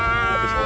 terima kasih mak